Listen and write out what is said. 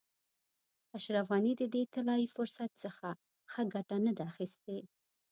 اشرف غني د دې طلایي فرصت څخه ښه ګټه نه ده اخیستې.